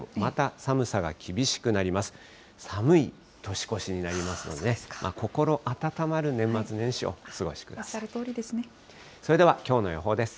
寒い年越しになりますのでね、心温まる年末年始をお過ごしくださおっしゃるとおりですね。